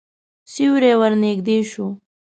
سیوری ورنږدې شو.